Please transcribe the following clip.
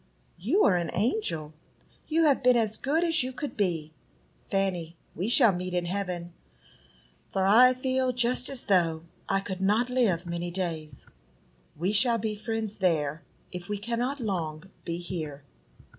"You are an angel! You have been as good as you could be. Fanny, we shall meet in heaven, for I feel just as though I could not live many days. We shall be friends there, if we cannot long be here."